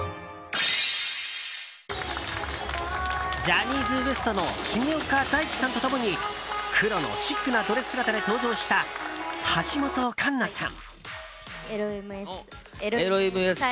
ジャニーズＷＥＳＴの重岡大毅さんと共に黒のシックなドレス姿で登場した橋本環奈さん。